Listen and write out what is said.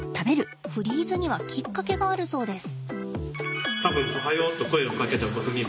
フリーズにはきっかけがあるそうです。